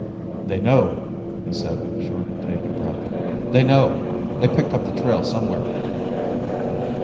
"They know!" he said with a short intake of breath. "They know! They picked up the trail somewhere."